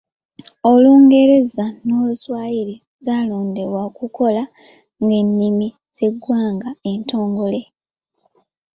Olungereza n'Oluswayiri zaalondebwa okukola nga ennimi z'eggwanga entongole.